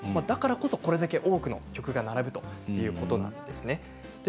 だからこそこれだけ多くの曲が並ぶということなんです。